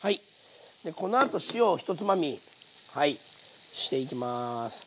このあと塩を１つまみはいしていきます。